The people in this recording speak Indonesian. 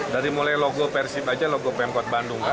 dari mulai logo persib saja logo pemkot bandung